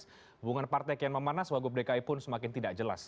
hubungan partai kian memanas wagub dki pun semakin tidak jelas